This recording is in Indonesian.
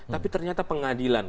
tapi ternyata pengadilan